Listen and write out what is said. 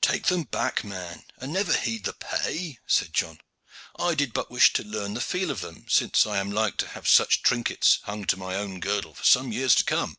"Take them back, man, and never heed the pay," said John. "I did but wish to learn the feel of them, since I am like to have such trinkets hung to my own girdle for some years to come."